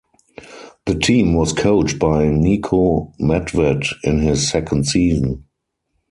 The team was coached by Niko Medved in his second season.